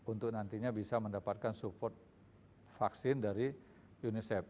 untuk nantinya bisa mendapatkan support vaksin dari unicef